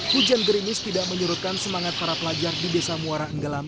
hujan gerimis tidak menyurutkan semangat para pelajar di desa muara enggelam